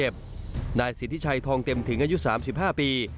ไฟทองเต็มถึงอายุ๓๕ปี